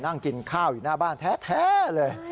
นั่งกินข้าวอยู่หน้าบ้านแท้เลย